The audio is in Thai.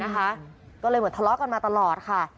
ก็เลยเหมือนทะเลาะกันมาตลอดค่ะ